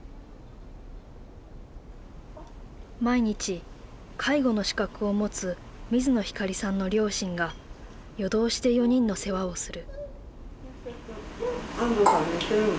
毎日介護の資格を持つ水野ひかりさんの両親が夜通しで４人の世話をする。